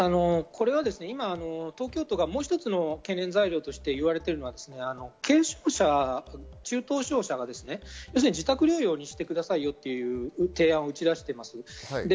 東京都がもう一つの懸念材料として言ってるのが軽症者、中等症者が自宅療養にしてくださいよという提案を打ち出しています。